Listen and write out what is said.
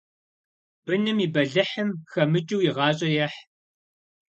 Быным и бэлыхьым хэмыкӀыу и гъащӀэр ехь.